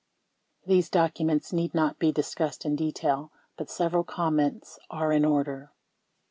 32 These documents need not be discussed in detail, but several com ments are in order.